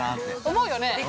◆思うよね？